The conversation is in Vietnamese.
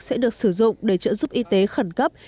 sẽ được sử dụng để trợ giúp y tế khẩn cấp